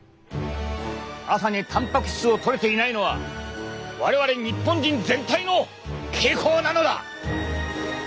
朝にたんぱく質をとれていないのは我々日本人全体の傾向なのだ！